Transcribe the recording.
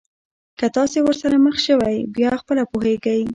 که تاسي ورسره مخ شوی بیا خپله پوهېږئ.